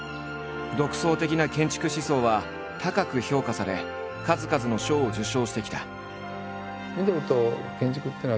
独創的な建築思想は高く評価され数々の賞を受賞してきた。